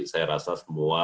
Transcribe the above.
saya rasa semua